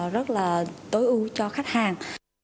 rất là tối ưu cho khách hàng